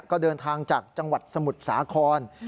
ก็เดินทางจากจังหวัดสมุทรสาคร